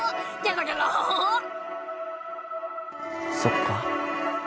そっか。